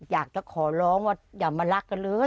อยากจะขอร้องว่าอย่ามารักกันเลย